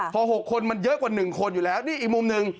พอ๖คนมันเยอะกว่า๑คนอยู่แล้วนี่อีกมุมหนึ่ง